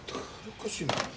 おかしいな。